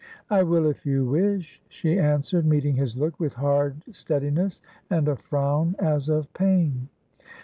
"I will if you wish," she answered, meeting his look with hard steadiness and a frown as of pain.